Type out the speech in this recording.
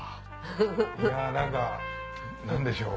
いや何か何でしょう。